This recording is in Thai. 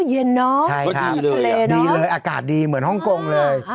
โอ้เย็นเนอะเท่าที่เลยอ่ะใช่ครับดีเลยอากาศดีเหมือนฮ่องกงเลย